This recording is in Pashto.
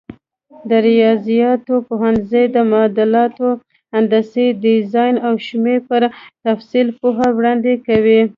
د ریاضیاتو پوهنځی د معادلاتو، هندسي ډیزاین او شمېرو پر تفصیل پوهه وړاندې کوي.